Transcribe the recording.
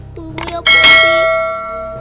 tunggu ya popi